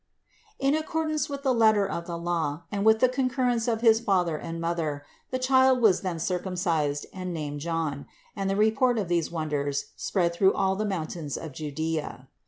In ac cordance with the letter of the law, and with the concur rence of his father and mother, the child was then cir cumcised and named John ; and the report of these won ders spread through all the mountains of Judea.